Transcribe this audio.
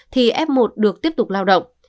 thì f một được tiếp tục lao động